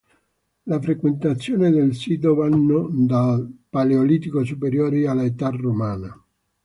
Le frequentazioni del sito vanno dal Paleolitico superiore all'età romana.